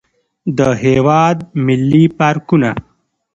د هېواد ملي پارکونه.